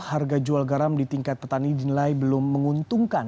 harga jual garam di tingkat petani dinilai belum menguntungkan